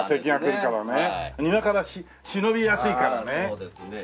そうですね。